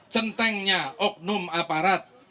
centengnya oknum aparat